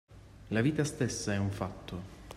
La vita stessa è un fatto!